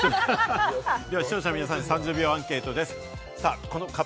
では視聴者の皆さんに３０秒アンケートです。